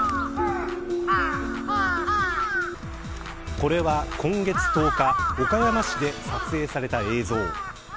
これは今月１０日岡山市で撮影された映像。